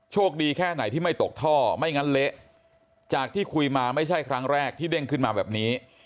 แค่ไหนที่ไม่ตกท่อไม่งั้นเละจากที่คุยมาไม่ใช่ครั้งแรกที่เด้งขึ้นมาแบบนี้